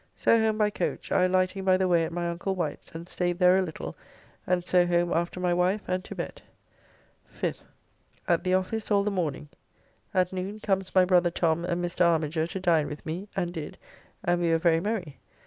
So home by coach, I lighting by the way at my uncle Wight's and staid there a little, and so home after my wife, and to bed. 5th. At the office all the morning. At noon comes my brother Tom and Mr. Armiger to dine with me, and did, and we were very merry.